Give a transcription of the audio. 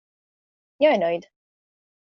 Jag är nöjd.